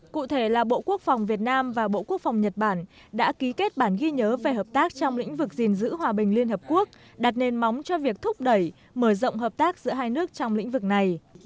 cụ thể là bộ quốc phòng việt nam và bộ quốc phòng nhật bản đã ký kết bản ghi nhớ về hợp tác trong lĩnh vực gìn giữ hòa bình liên hợp quốc đặt nền móng cho việc thúc đẩy mở rộng hợp tác giữa hai nước trong lĩnh vực này